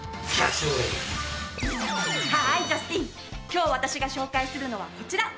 今日私が紹介するのはこちら。